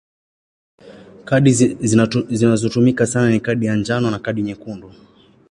Kadi zinazotumika sana ni kadi ya njano na kadi nyekundu.